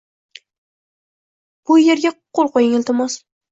Bu yerga qo'l qo’ying, iltimos.